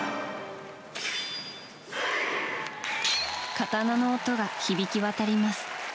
刀の音が響き渡ります。